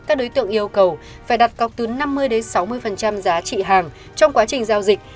các đối tượng yêu cầu phải đặt cọc từ năm mươi sáu mươi giá trị hàng trong quá trình giao dịch